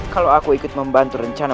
kalau aku ikut membantu rencana